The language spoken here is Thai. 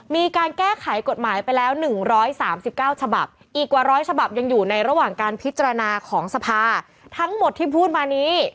มีการแก้ไขกฎหมายไปแล้ว๑๓๙ฉบับอีกกว่าร้อยฉบับยังอยู่ในระหว่างการพิจารณาของสภาทั้งหมดที่พูดมานี้